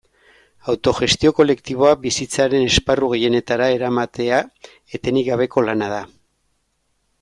Autogestio kolektiboa bizitzaren esparru gehienetara eramatea etenik gabeko lana da.